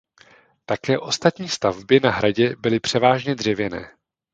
Také ostatní stavby na hradě byly převážně dřevěné.